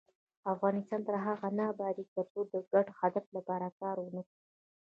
افغانستان تر هغو نه ابادیږي، ترڅو د ګډ هدف لپاره کار ونکړو.